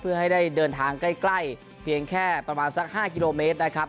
เพื่อให้ได้เดินทางใกล้เพียงแค่ประมาณสัก๕กิโลเมตรนะครับ